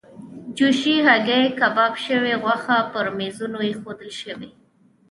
جوشې هګۍ، کباب شوې غوښه پر میزونو ایښودل شوې.